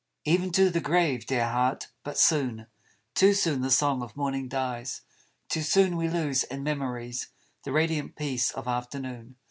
" Even to the grave, dear heart, but soon, Too soon, the song of morning dies, Too soon we lose in memories The radiant peace of afternoon.